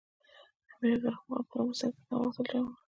امیر عبدالرحمن خان په لومړي سر کې نه غوښتل جنګ وکړي.